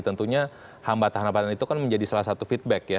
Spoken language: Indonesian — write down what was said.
tentunya hambatan hambatan itu kan menjadi salah satu feedback ya